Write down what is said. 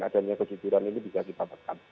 adanya kejujuran ini bisa kita tekan